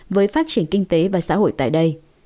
với phát triển kinh tế và xã hội tại đây